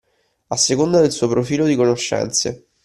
A seconda del suo profilo di conoscenze